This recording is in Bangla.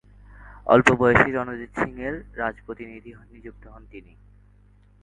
অল্পবয়সী রণজিৎ সিং এর রাজপ্রতিনিধি নিযুক্ত হন তিনি।